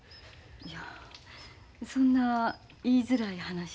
いやそんな言いづらい話ですか？